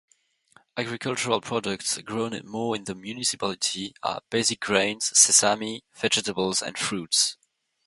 Agricultural products grown more in the municipality are: basic grains, sesame, vegetables and fruits.